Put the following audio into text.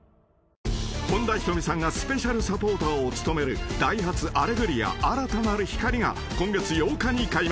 ［本田仁美さんがスペシャルサポーターを務めるダイハツ『アレグリア−新たなる光−』が今月８日に開幕。